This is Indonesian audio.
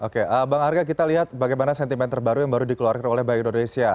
oke bang arga kita lihat bagaimana sentimen terbaru yang baru dikeluarkan oleh bank indonesia